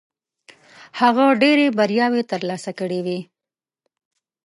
هغه ډېرې بریاوې ترلاسه کړې وې.